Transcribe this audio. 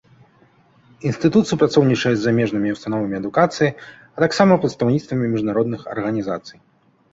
Інстытут супрацоўнічае з замежнымі ўстановамі адукацыі, а таксама прадстаўніцтвамі міжнародных арганізацый.